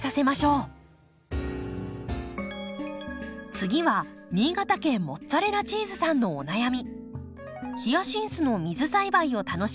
次は新潟県モッツァレラチーズさんのお悩み。